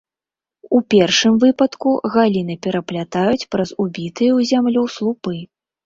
У першым выпадку галіны пераплятаюць праз убітыя ў зямлю слупы.